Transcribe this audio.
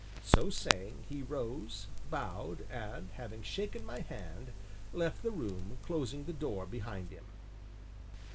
So saying, he rose, bowed, and having shaken my hand, left the room, closing the door behind him.